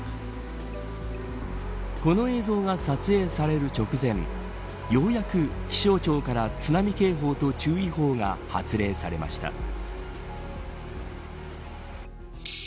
この映像が撮影される直前ようやく気象庁から、津波警報と注意報が発令されました。